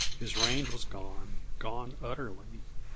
His range was gone gone utterly.